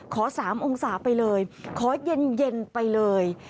ขอ๓องศาไปเลยขอเย็นไปเลย